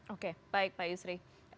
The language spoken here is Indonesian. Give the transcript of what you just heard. oke baik pak yusri